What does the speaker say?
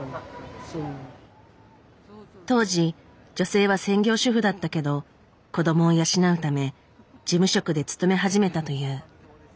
当時女性は専業主婦だったけど子どもを養うため事務職で勤め始めたという。